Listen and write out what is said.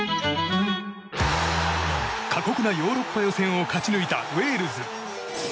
過酷なヨーロッパ予選を勝ち抜いたウェールズ。